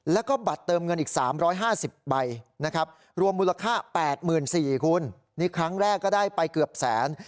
แล้วก็บัตรเติมเงินอีก๓๕๐ใบนะครับรวมมูลค่า๘๔๐๐คุณนี่ครั้งแรกก็ได้ไปเกือบแสน